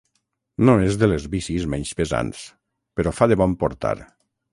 No és de les bicis menys pesants, però fa de bon portar.